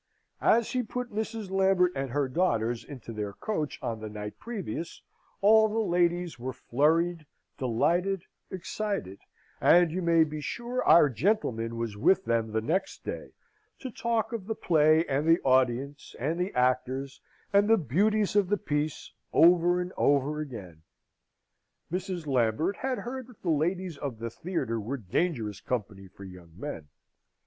As he put Mrs. Lambert and her daughters into their coach on the night previous, all the ladies were flurried, delighted, excited; and you may be sure our gentleman was with them the next day, to talk of the play and the audience, and the actors, and the beauties of the piece, over and over again. Mrs. Lambert had heard that the ladies of the theatre were dangerous company for young men.